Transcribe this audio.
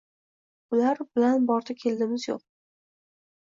Ular bilan bordi-keldimiz yo‘q